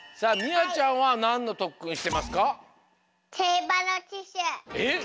あちゃんはなんのとっくんしてますか？えっ！？